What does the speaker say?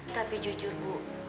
tapi jujur bu